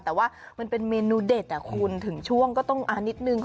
แต่ว่ามันเป็นเมนูเด็ดคุณถึงช่วงก็ต้องอ่านนิดนึง